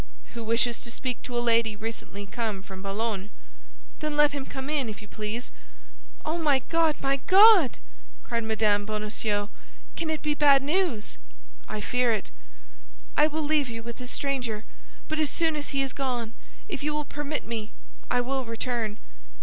"Who wishes to speak to a lady recently come from Boulogne." "Then let him come in, if you please." "Oh, my God, my God!" cried Mme. Bonacieux. "Can it be bad news?" "I fear it." "I will leave you with this stranger; but as soon as he is gone, if you will permit me, I will return."